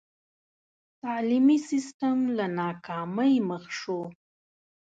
تعلیمي سسټم له ناکامۍ مخ شو.